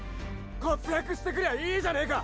活躍してくりゃいいじゃねぇか！！